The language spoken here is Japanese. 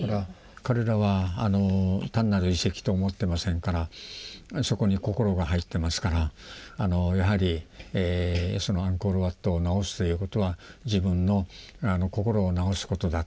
彼らは単なる遺跡と思ってませんからそこに心が入ってますからやはりアンコール・ワットを直すということは自分の心を直すことだという。